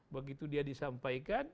begitu dia disampaikan